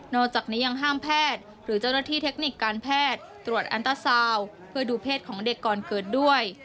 จากนี้ยังห้ามแพทย์หรือเจ้าหน้าที่เทคนิคการแพทย์ตรวจอันตราซาวน์เพื่อดูเพศของเด็กก่อนเกิดด้วย